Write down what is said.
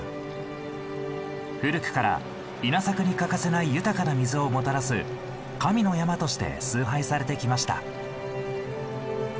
古くから稲作に欠かせない豊かな水をもたらす神の山として崇拝されてきました。